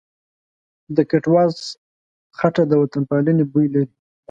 د کټواز خټه د وطنپالنې بوی لري.